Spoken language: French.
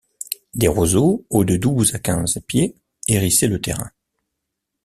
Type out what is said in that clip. Des roseaux, hauts de douze à quinze pieds, hérissaient le terrain.